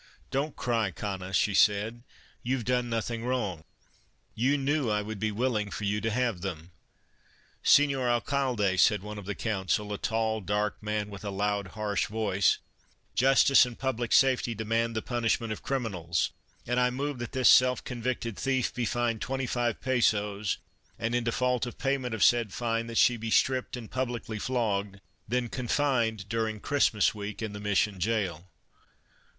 u Don't cry, Cana," said she. " You Ve done nothing wrong. You knew I would be willing for you to have them." " Senor Alcalde," said one of the Council, a tall, dark man with a loud, harsh voice, " justice and public safety demand the pun ishment of criminals, and I move that this self con victed thief be fined twenty five pesos and in default of payment of said fine that she be stripped and publicly flogged, then confined during Christmas week in the Mission jail."